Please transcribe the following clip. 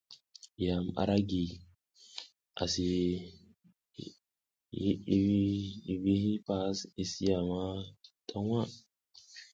Yam ara gi, asi, hi vi hipas i si yama ta waʼa.